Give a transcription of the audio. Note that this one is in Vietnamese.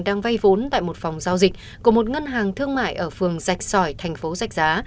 đang vay vốn tại một phòng giao dịch của một ngân hàng thương mại ở phường rạch sỏi tp rạch giá